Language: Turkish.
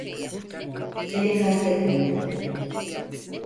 Seni kastetmedim.